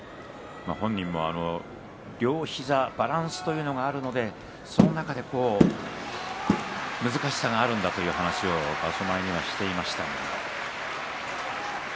本人も両膝のバランスというのがあるのでその中で難しさはあるんだという話を場所前していました。